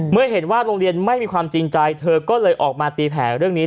เมื่อเห็นว่าโรงเรียนไม่มีความจริงใจเธอก็เลยออกมาตีแผลเรื่องนี้